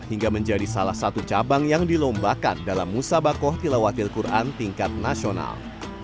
hingga menjadi salah satu cabang yang dilombakan dalam musabakoh tilawatil quran tingkat nasional